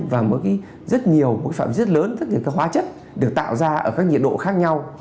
và một phạm vi rất lớn rất nhiều hóa chất được tạo ra ở các nhiệt độ khác nhau